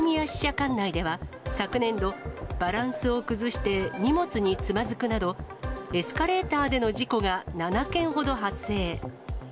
管内では、昨年度、バランスを崩して荷物につまずくなど、エスカレーターでの事故が７件ほど発生。